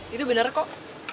itu benar kok